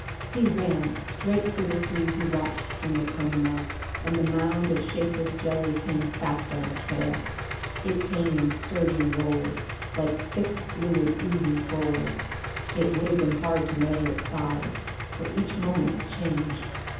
He ran straight for the three who watched from the tunnel mouth, and the mound of shapeless jelly came fast on his trail. It came in surging rolls, like thick fluid oozing forward; it would have been hard to measure its size, for each moment it changed.